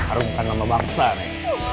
harut karena nama bangsa itu ya